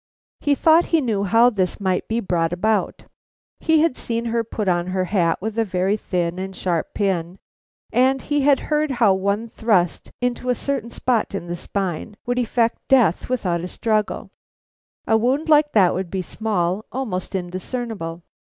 He thought he knew how this might be brought about. He had seen her put on her hat with a very thin and sharp pin, and he had heard how one thrust into a certain spot in the spine would effect death without a struggle. A wound like that would be small; almost indiscernible.